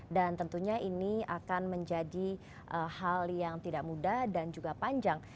dan tentunya ini akan menjadi hal yang tidak mudah dan juga panjang